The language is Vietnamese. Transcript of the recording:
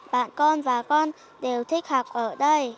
bạn con và con đều thích học ở đây